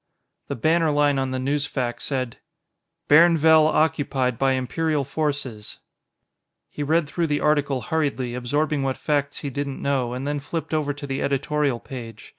The banner line on the newsfac said: BAIRNVELL OCCUPIED BY IMPERIAL FORCES He read through the article hurriedly, absorbing what facts he didn't know, and then flipped over to the editorial page.